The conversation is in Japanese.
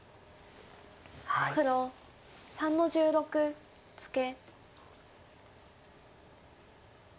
黒３の十六ツケ。